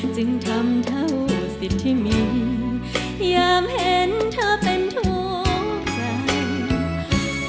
จึงทำเท่าสิทธิ์ที่มียามเห็นเธอเป็นทุกข์ใจ